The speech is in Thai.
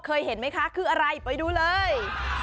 เห็นไหมคะคืออะไรไปดูเลย